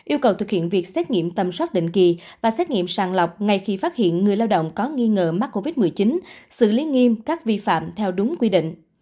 yêu cầu thực hiện việc xét nghiệm tầm soát định kỳ và xét nghiệm sàng lọc ngay khi phát hiện người lao động có nghi ngờ mắc covid một mươi chín xử lý nghiêm các vi phạm theo đúng quy định